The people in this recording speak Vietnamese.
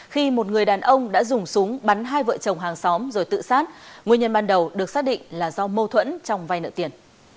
khi một người đàn ông đã dùng súng bắn hai vợ chồng hàng xóm rồi tự sát nguyên nhân ban đầu được xác định là do mâu thuẫn trong vay nợ tiền